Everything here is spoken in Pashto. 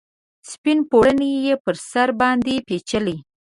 سپین پوړنې یې پر سر باندې پیچلي